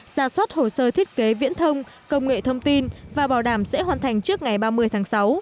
ra soát hồ sơ thiết kế viễn thông công nghệ thông tin và bảo đảm sẽ hoàn thành trước ngày ba mươi tháng sáu